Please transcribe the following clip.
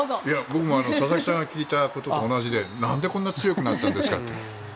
僕も佐々木さんが聞いたことと同じでなんでこんな強くなったんですかと。